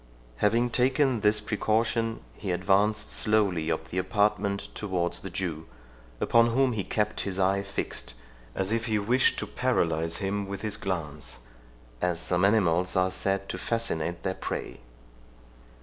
Having taken this precaution, he advanced slowly up the apartment towards the Jew, upon whom he kept his eye fixed, as if he wished to paralyze him with his glance, as some animals are said to fascinate their prey.